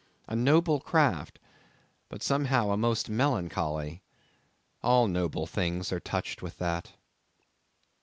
A noble craft, but somehow a most melancholy! All noble things are touched with that.